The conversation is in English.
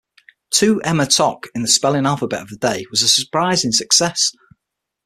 "Two Emma Toc", in the spelling alphabet of the day, was a surprising success.